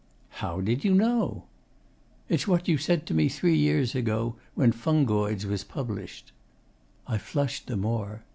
'How did you know?' 'It's what you said to me three years ago, when "Fungoids" was published.' I flushed the more.